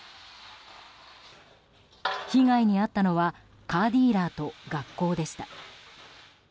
被害に遭ったのはカーディーラーと学校でした。